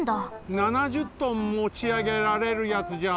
７０トンもちあげられるやつじゃん！